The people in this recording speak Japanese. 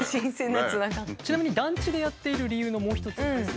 ちなみに団地でやっている理由のもう一つはですね